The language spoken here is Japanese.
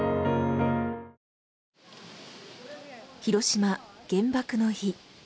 広島・原爆の日。